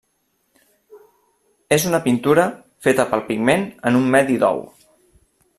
És una pintura feta pel pigment en un medi d'ou.